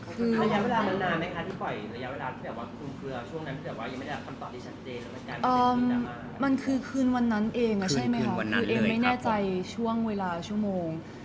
คือคือคืนวันนั้นเองคือเองไม่แน่ใจช่วงเวลาชั่วโมง